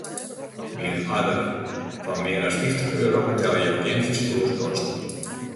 By in oarder fan mear as fyftich euro betelje jo gjin ferstjoerskosten.